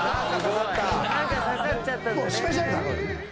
もうスペシャルだからね。